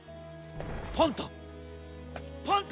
パンタン！？